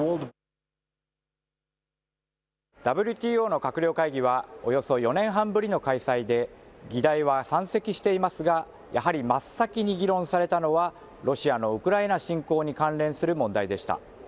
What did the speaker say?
ＷＴＯの閣僚会議はおよそ４年半ぶりの開催で、議題は山積していますが、やはり真っ先に議論されたのはロシアのウクライナ侵攻に関連する問題でした。